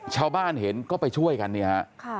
ชาวบ้านเห็นก็ไปช่วยกันเนี่ยฮะ